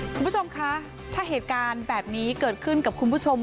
คุณผู้ชมคะถ้าเหตุการณ์แบบนี้เกิดขึ้นกับคุณผู้ชม